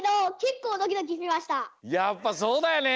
やっぱそうだよね。